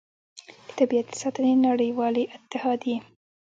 د طبیعت د ساتنې نړیوالې اتحادیې